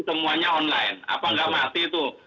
semuanya online apa nggak masih itu